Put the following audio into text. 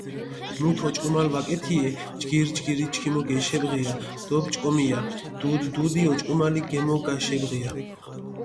მუთ ოჭკომალი ვაკეთიე, ჯგირ-ჯგირი ჩქიმო გეიშებღია დო პჭკომია დუდ-დუდი ოჭკომალი, გემო გაიშებღია.